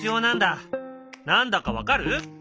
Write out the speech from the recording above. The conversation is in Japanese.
何だか分かる？